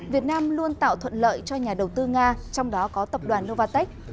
việt nam luôn tạo thuận lợi cho nhà đầu tư nga trong đó có tập đoàn novartek